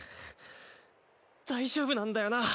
大丈夫なんだよな？